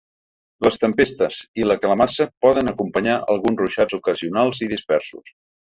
Les tempestes i la calamarsa poden acompanyar alguns ruixats ocasionals i dispersos.